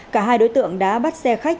cả hai đối tượng đã bắt xe khách